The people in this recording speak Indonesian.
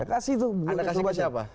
saya kasih tuh